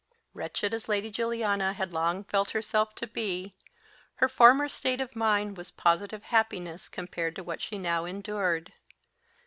Wretched as Lady Juliana had long felt herself to be, her former state of mind was positive happiness compared to what she now endured.